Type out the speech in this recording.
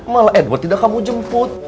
malah edward tidak kamu jemput